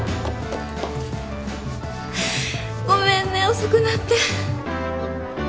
ごめんね遅くなって。